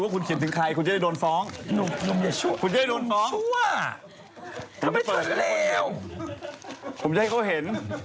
ผมจะให้เขาเห็น